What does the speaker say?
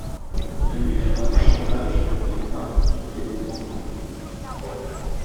Elle lui fera du chantage pour qu'elles partent toutes les deux ensemble.